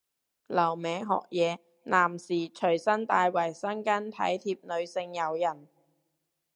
留名學嘢，男士隨身帶衛生巾體貼女性友人